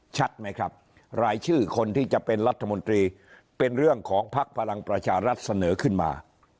ชัดไหมครับรายชื่อคนที่จะเป็นรัฐมนตรีเป็นเรื่องของภักดิ์พลังประชารัฐเสนอขึ้นมา